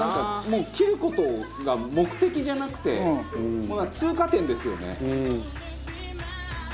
「もう切る事が目的じゃなくて通過点ですよね」